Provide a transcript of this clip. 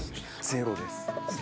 「ゼロです」？